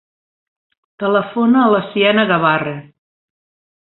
Telefona a la Siena Gabarre.